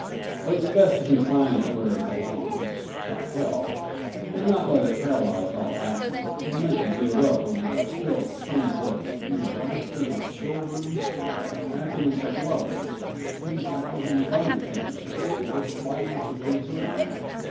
But it's best to consign it where it belongs, to hell, and not let it paralyze all action and make you give up when there are still sunsets, and the laughter of children, and the happiness of lovers, and ten thousand other things that are worth fighting to preserve.